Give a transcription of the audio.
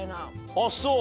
あっそう！